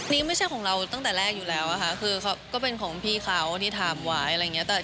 นี่ไม่ใช่ของเราตั้งแต่แรกอยู่แล้วค่ะคือเขาก็เป็นของพี่เขาที่ถามไว้อะไรอย่างนี้